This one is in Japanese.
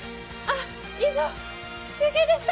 以上、中継でした。